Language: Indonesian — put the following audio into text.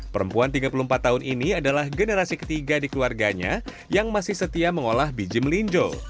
perempuan tiga puluh empat tahun ini adalah generasi ketiga di keluarganya yang masih setia mengolah biji melinjo